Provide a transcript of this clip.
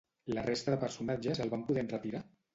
La resta de personatges el van poder enretirar?